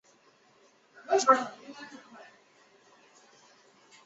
否则曲面是不可定向的。